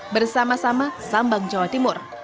bersama sama sambang jawa timur